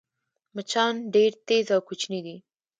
مچان ډېر تېز او کوچني دي